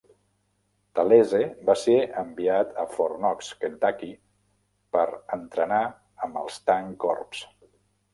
Talese va ser enviat a Fort Knox, Kentucky, per entrenar amb els Tank Corps.